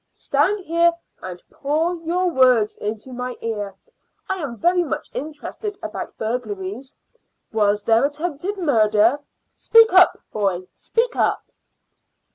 Stand here and pour your words into my ear. I am very much interested about burglaries. Was there attempted murder? Speak up, boy speak up."